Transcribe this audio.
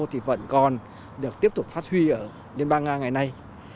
thì vẫn còn được tiếp tục phát huy ở liên bang nga ngày nay